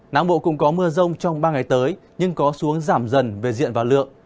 nắng bộ cũng có mưa rông trong ba ngày tới nhưng có xuống giảm dần về diện và lượng